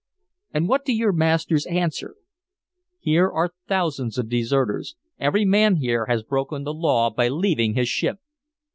"And what do your masters answer? Here are thousands of deserters every man here has broken the law by leaving his ship!